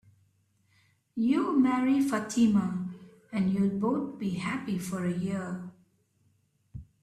You'll marry Fatima, and you'll both be happy for a year.